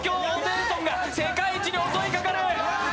東京ホテイソンが世界一に襲いかかる。